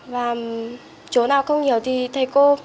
và chỗ nào không nhiều thì thầy cô giúp đỡ bọn em